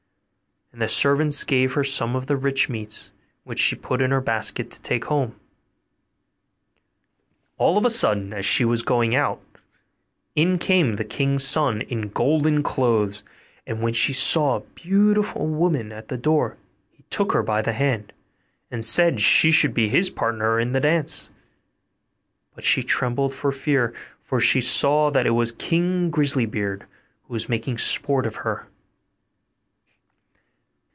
And the servants gave her some of the rich meats, which she put into her basket to take home. All on a sudden, as she was going out, in came the king's son in golden clothes; and when he saw a beautiful woman at the door, he took her by the hand, and said she should be his partner in the dance; but she trembled for fear, for she saw that it was King Grisly beard, who was making sport of her.